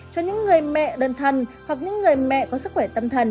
cho những người mẹ đơn thân hoặc những người mẹ có sức khỏe tâm thần